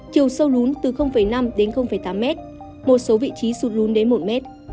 chiều sâu lún từ năm m đến tám m một số vị trí sụt lún đến một m